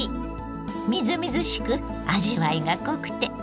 みずみずしく味わいが濃くて栄養も満点！